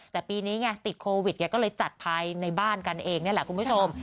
แต่ปีนี้ไงติดโควิดไงก็เลยจัดภายในบ้านกันเองนี่แหละคุณผู้ชม